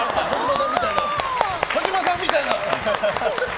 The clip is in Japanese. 児嶋さんみたいな。